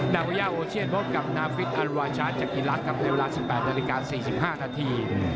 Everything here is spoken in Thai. นักวิยาโอเชียรพบกับนาฟิตอัลวาชาจักรีรัสครับในเวลา๑๘นาฬิกา๔๕นาที